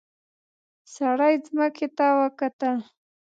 سړي ځمکې ته وکتل.